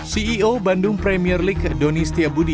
ceo bandung premier league doni setiabudi